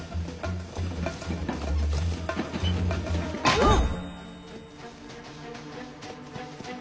うわっ！